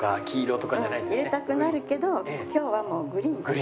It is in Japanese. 入れたくなるけど今日はもうグリーンだけ。